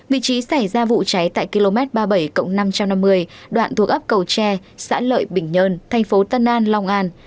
vị trí xảy ra vụ cháy tại km ba mươi bảy năm trăm năm mươi đoạn thuộc ấp cầu tre xã lợi bình nhân tp tân an long an